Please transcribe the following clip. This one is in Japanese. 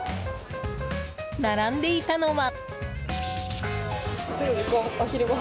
並んでいたのは。